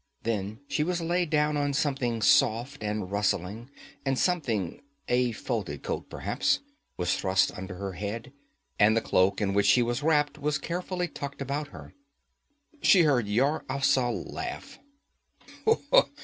Then she was laid down on something soft and rustling, and something a folded coat perhaps was thrust under her head, and the cloak in which she was wrapped was carefully tucked about her. She heard Yar Afzal laugh.